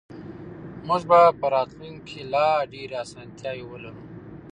موږ به په راتلونکي کې لا ډېرې اسانتیاوې ولرو.